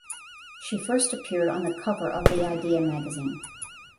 She first appeared on cover of the Idea Magazine.